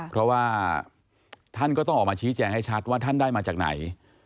เพราะว่าท่านก็ต้องออกมาชี้แจงให้ชัดว่าท่านได้มาจากไหน